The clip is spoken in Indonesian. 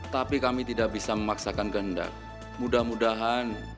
tapi kami tidak bisa memaksakan gendak mudah mudahan